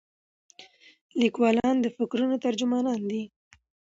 لیکوالان د فکرونو ترجمانان دي.